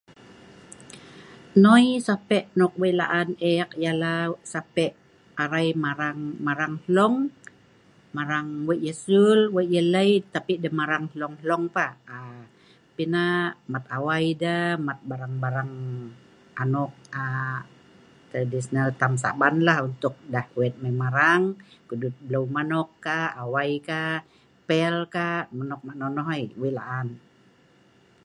Noi sape nok wei laan ek ialah arai marang hlong, marang wei yeh sul , wei yeh lei ,tapi deh marang hlong-hlong pah.pi nah mat awai deh mat barang-barang anok tradisional tam saban lah untuk deh wet mei marang kudut blau manok ka? awai ka?pel ka? Anok mak nonoh i wei laan